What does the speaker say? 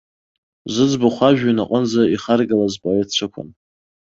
Зыӡбахә ажәҩан аҟынӡа ихаргалаз поетцәақәак.